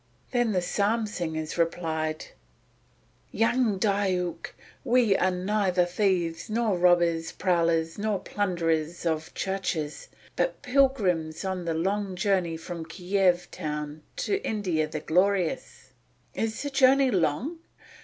Then the psalm singers replied: "Young Diuk, we are neither thieves, nor robbers, prowlers nor plunderers of churches, but pilgrims on the long journey from Kiev town to India the Glorious." "Is the journey long?"